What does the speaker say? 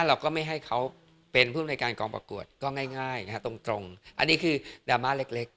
เราก็ไม่ให้เขาเป็นผู้อำนวยการกองประกวดก็ง่ายนะฮะตรงอันนี้คือดราม่าเล็ก